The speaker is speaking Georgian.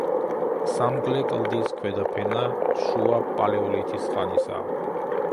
სამგლე კლდის ქვედა ფენა შუა პალეოლითის ხანისაა.